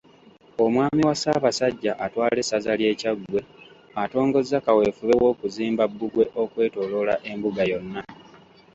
Omwami wa Ssaabasajja atwala essaza lye Kyaggwe, atongozza kaweefube w'okuzimba bbugwe okwetooloola Embuga yonna .